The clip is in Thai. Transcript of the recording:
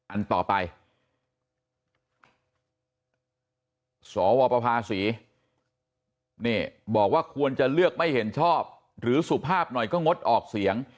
อันต่อไปสวประภาษีนี่บอกว่าควรจะเลือกไม่เห็นชอบหรือสุภาพหน่อยก็งดออกเสียง